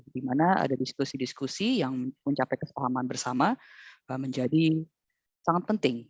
di mana ada diskusi diskusi yang mencapai kesepahaman bersama menjadi sangat penting